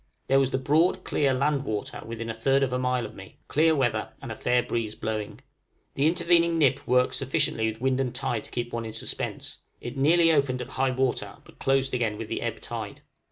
There was the broad, clear land water within a third of a mile of me, clear weather, and a fair breeze blowing. The intervening nip worked sufficiently with wind and tide to keep one in suspense; it nearly opened at high water, but closed again with the ebb tide.